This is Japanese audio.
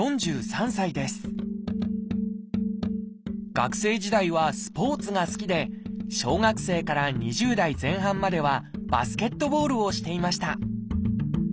学生時代はスポーツが好きで小学生から２０代前半まではバスケットボールをしていました。